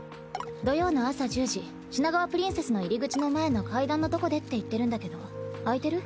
土曜の朝１０時品川プリンセスの入り口の前の階段のとこでって言ってるんだけど空いてる？